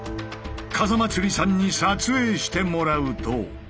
風祭さんに撮影してもらうと。